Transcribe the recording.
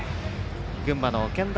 群馬の健大